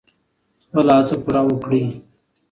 خپله هڅه پوره وکړئ.